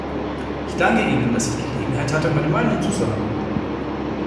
Ich danke Ihnen, dass ich Gelegenheit hatte, meine Meinung zu sagen.